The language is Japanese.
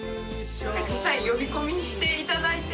実際呼び込みしていただいて。